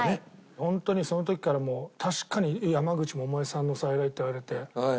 ホントにその時からもう確かに山口百恵さんの再来って言われてそういうイメージでしたよ。